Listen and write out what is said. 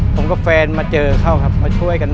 ผมก็แฟนเจอเขาเค้าช่วยกัน